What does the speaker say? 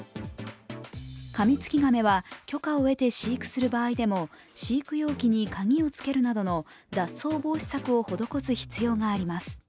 カミツキガメは許可を得て飼育する場合でも、飼育容器に鍵をつけるなどの脱走防止策を施す必要があります。